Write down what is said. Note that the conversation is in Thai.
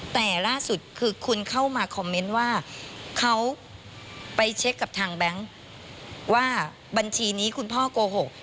แต่ล่าสุดคือคุณเข้ามาคอมเมนต์ว่าเขาไปเช็คกับทางแบงค์ว่าบัญชีนี้คุณพ่อโกหก